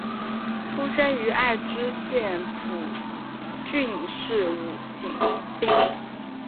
出身于爱知县蒲郡市五井町。